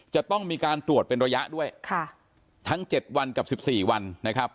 จะต้องมีการตรวจเป็นระยะด้วยค่ะทั้ง๗วันกับ๑๔วันนะครับ